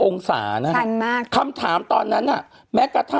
๖๐องศานะครับคำถามตอนนั้น